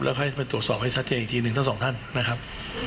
แล้วไว้ตรวจสอบให้ชัดเจนอีกทีทั้ง๒ท่านนะครับ